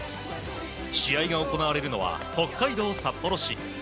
試合が行われるのは北海道札幌市。